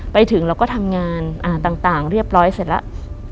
ไปถึงเราก็ทำงานต่างเรียบร้อยเสร็จแล้ว